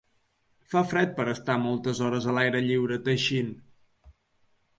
Fa fred per estar moltes hores a l’aire lliure teixint.